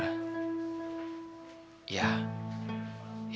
aku harus kasih waktu rum untuk berpikir